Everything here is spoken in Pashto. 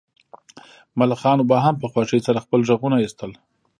ملخانو به هم په خوښۍ سره خپل غږونه ایستل